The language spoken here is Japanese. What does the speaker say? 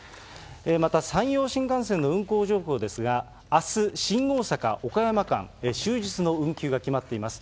また山陽新幹線の運行状況ですが、あす、新大阪・岡山間、終日の運休が決まっています。